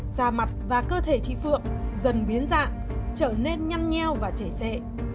da mặt và cơ thể chị phượng dần biến dạng trở nên nhăm nheo và chảy xệ